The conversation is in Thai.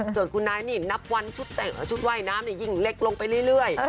ส่วนคุณนายนี่นับวันชุดเตะชุดว่ายน้ำยิ่งเล็กลงไปเรื่อย